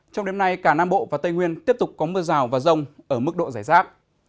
trong đêm nay cả nam bộ và tây nguyên tiếp tục có mưa rào và rông ở mức độ giải rác